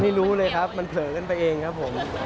ไม่รู้เลยครับมันเผลอกันไปเองครับผม